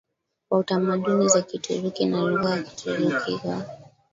wa tamaduni ya Kituruki na lugha ya Kituruki kwa